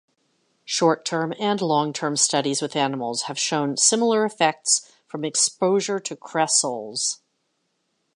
Short-term and long-term studies with animals have shown similar effects from exposure to cresols.